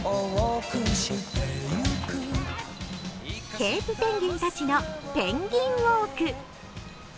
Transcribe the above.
ケープペンギンたちのペンギンウオーク。